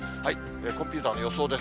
コンピューターの予想です。